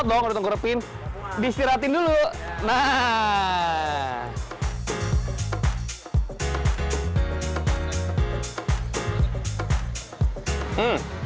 dong untuk ngerepin disiratin dulu nah